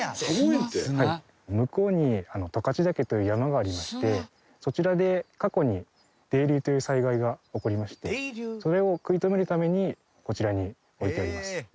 向こうに十勝岳という山がありましてそちらで過去に泥流という災害が起こりましてそれを食い止めるためにこちらに置いております。